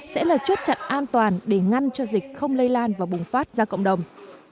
sẽ là chốt chặn an toàn để ngăn cho dịch không lây lan và bùng phát ra cộng đồng